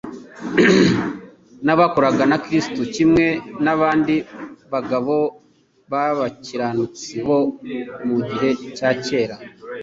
n'abakorana na Kristo kimwe n'abandi bagabo b'abakiranutsi bo mu gihe cya kera.